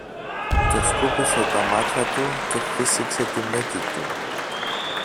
και σκούπισε τα μάτια του και φύσηξε τη μύτη του